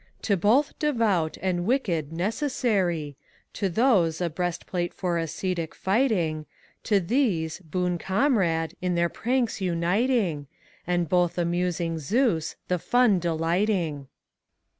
"To both Devout and Wicked necessary: To those, a breast plate for ascetic fighting; ACT II. 87 To these, boon eomrade, in their pranks uniting; And both amnsing Zens, the fnn delighting.